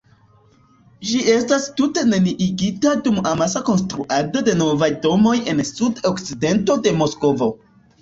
Ĝi estas tute neniigita dum amasa konstruado de novaj domoj en sud-okcidento de Moskvo.